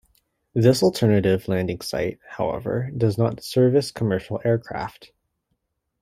This alternative landing site, however, does not service commercial aircraft.